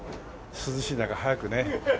涼しい中早くね。